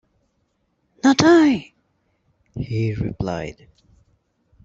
‘Not I!’ he replied.